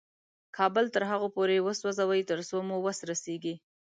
کابل تر هغو پورې وسوځوئ تر څو مو وس رسېږي.